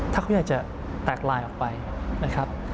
ถ้าเขาอยากจะแตกลายออกไปนะครับ